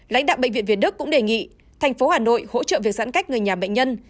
lãnh đạo bệnh viện việt đức cũng đề nghị thành phố hà nội hỗ trợ việc giãn cách người nhà bệnh nhân